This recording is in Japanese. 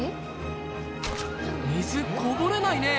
水こぼれないねぇ